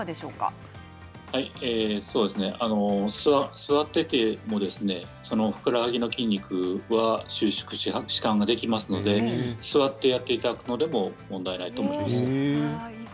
座っていてもふくらはぎの筋肉は収縮、しかんができますので座っていただくのでも問題ないかと思います。